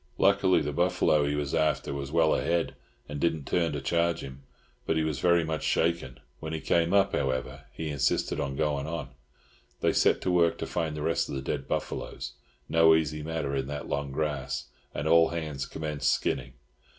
Luckily, the buffalo he was after was well ahead, and did not turn to charge him, but he was very much shaken; when he came up, however, he insisted on going on. They set to work to find the rest of the dead buffaloes—no easy matter in that long grass—and all hands commenced skinning.